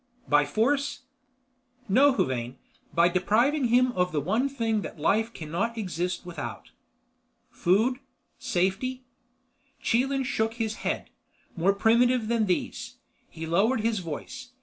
"By force?" "No, Huvane. By depriving him of the one thing that Life cannot exist without." "Food? Safety?" Chelan shook his head. "More primitive than these." He lowered his voice.